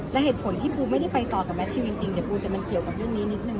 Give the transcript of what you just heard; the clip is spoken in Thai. และเหตุผลที่ปูไม่ได้ไปต่อกับแมททิวจริงเดี๋ยวปูจะมันเกี่ยวกับเรื่องนี้นิดนึ